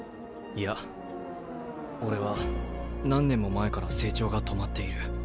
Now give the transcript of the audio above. いや俺は何年も前から成長が止まっている。